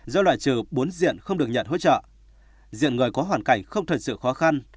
do loại trừ bốn diện không được nhận hỗ trợ diện người có hoàn cảnh không thật sự khó khăn